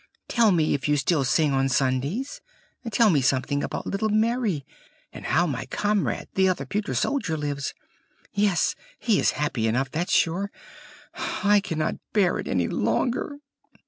"Tell me if you still sing on Sundays? Tell me something about little Mary! And how my comrade, the other pewter soldier, lives! Yes, he is happy enough, that's sure! I cannot bear it any longer!"